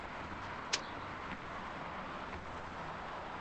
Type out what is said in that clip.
শালা বিরক্ত হয়ে হয়ে গেছি, প্রতিদিনের এই ক্যাচক্যাচানি শুনে।